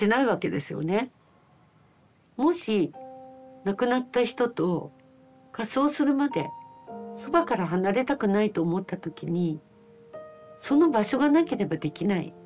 もし亡くなった人と火葬するまでそばから離れたくないと思った時にその場所がなければできない。